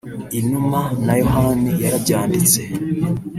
Inuma Na Yohani Yarabyanditse